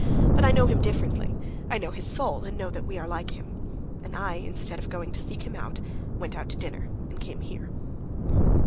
But I know him differently. I know his soul, and know that we are like him. And I, instead of going to seek him out, went out to dinner, and came here."